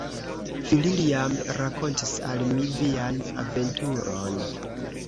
Villiam rakontis al mi vian aventuron.